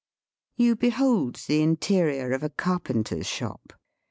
You behold the interior of a carpenter's shop.